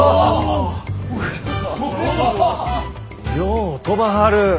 よう飛ばはる。